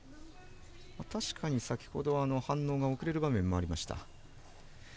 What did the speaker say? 確かに先ほど反応が遅れる場面もありました。